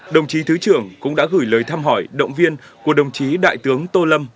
đồng chí thứ trưởng cũng đã gửi lời thăm hỏi động viên của đồng chí đại tướng tô lâm